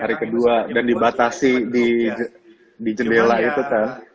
hari kedua dan dibatasi di jendela itu kan